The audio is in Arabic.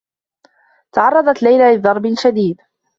تعرّضت ليلى لضرب شديد.